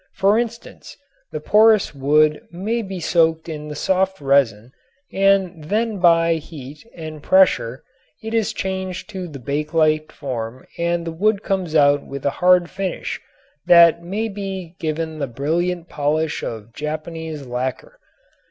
For instance, porous wood may be soaked in the soft resin and then by heat and pressure it is changed to the bakelite form and the wood comes out with a hard finish that may be given the brilliant polish of Japanese lacquer.